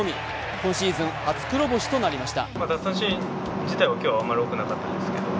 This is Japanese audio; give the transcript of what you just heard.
今シーズン初黒星となりました。